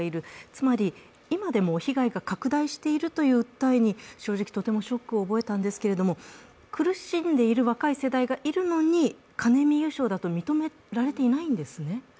つまり今でも被害が拡大しているという訴えに正直、とてもショックを覚えたんですけれども、苦しんでいる若い世代がいるのにカネミ油症だと認められていないんですね？